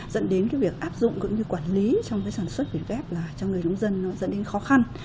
dẫn đến cái việc áp dụng cũng như quản lý trong cái sản xuất việt kép là cho người nông dân nó dẫn đến khó khăn